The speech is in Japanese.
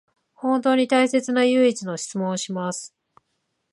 本当に大切な唯一の質問をします